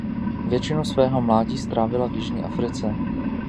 Většinu svého mládí strávila v Jižní Africe.